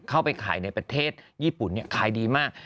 เข้าไปขายในประเทศญี่ปุ่นขายดีมาก